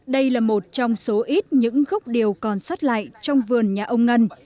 đây là một trong số ít những gốc điều còn sót lại trong vườn nhà ông ngân